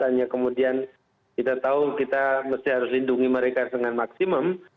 hanya kemudian kita tahu kita mesti harus lindungi mereka dengan maksimum